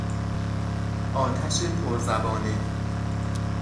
آتش پر زبانه